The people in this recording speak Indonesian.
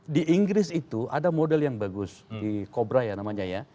di inggris itu ada model yang bagus di kobra ya namanya ya